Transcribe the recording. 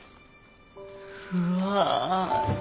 うわ。